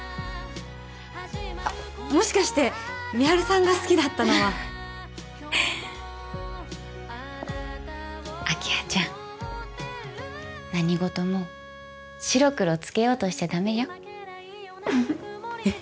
あっもしかして美晴さんが好きだったのは明葉ちゃん何事も白黒つけようとしちゃダメよえっ？